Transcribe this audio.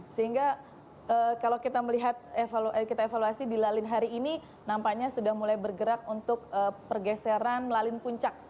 sehingga kalau kita melihat kita evaluasi di lalin hari ini nampaknya sudah mulai bergerak untuk pergeseran lalin puncak